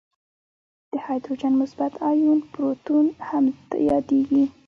د هایدروجن مثبت آیون پروتون هم یادیږي.